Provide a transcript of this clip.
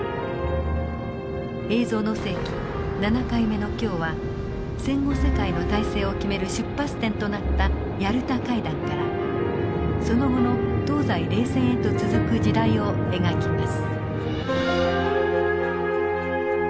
「映像の世紀」７回目の今日は戦後世界の体制を決める出発点となったヤルタ会談からその後の東西冷戦へと続く時代を描きます。